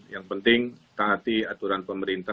yang penting taati aturan pemerintah